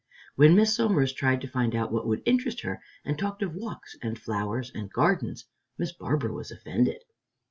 When Miss Somers tried to find out what would interest her, and talked of walks, and flowers and gardens, Miss Barbara was offended.